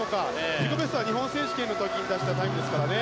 自己ベストは日本選手権の時に出したタイムですからね。